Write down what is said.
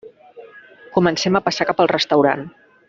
Comencem a passar cap al restaurant.